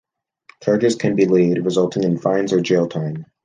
Charges can be laid, resulting in fines or jail time.